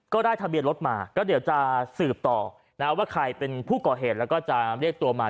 ทะเบียนรถมาก็เดี๋ยวจะสืบต่อนะว่าใครเป็นผู้ก่อเหตุแล้วก็จะเรียกตัวมา